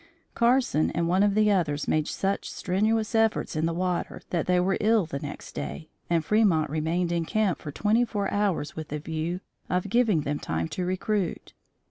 Carson and one of the others made such strenuous efforts in the water that they were ill the next day, and Fremont remained in camp for twenty four hours with a view of giving them time to recruit.